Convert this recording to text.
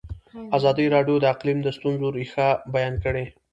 ازادي راډیو د اقلیم د ستونزو رېښه بیان کړې.